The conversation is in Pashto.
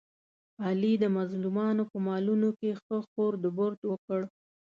علي د مظلومانو په مالونو کې ښه خورد برد وکړ.